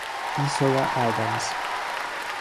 Isola Adams